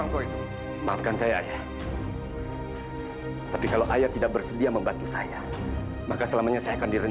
jika saya melihat kamu atau mendengar sendiri